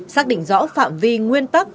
xác định rõ phạm vi nguyên tắc